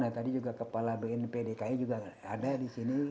nah tadi juga kepala bnp dki juga ada di sini